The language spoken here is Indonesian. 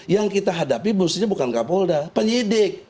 yang kita hadapi bukan kapolda penyidik